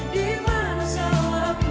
di mana salahku